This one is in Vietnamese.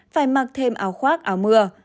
phải mặc thêm áo khoác áo mưa